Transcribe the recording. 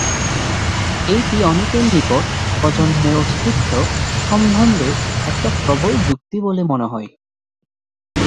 এইটি অনেকের নিকট পরজন্মের অস্তিত্ব সম্বন্ধে একটা প্রবল যুক্তি বলে মনে হয়।